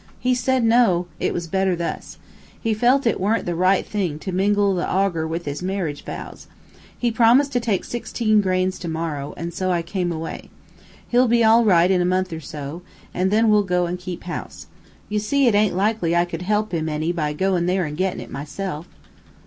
"He said, no. It was better thus. He felt it weren't the right thing to mingle the agur with his marriage vows. He promised to take sixteen grains to morrow, and so I came away. He'll be all right in a month or so, an' then we'll go an' keep house. You see it aint likely I could help him any by goin' there an' gettin' it myself."